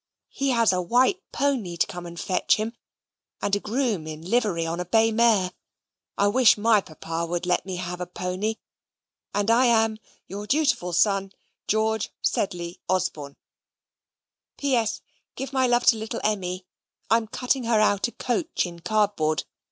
He has a white Pony to come and fetch him, and a groom in livery on a bay mare. I wish my Papa would let me have a Pony, and I am Your dutiful Son, GEORGE SEDLEY OSBORNE P.S. Give my love to little Emmy. I am cutting her out a Coach in cardboard.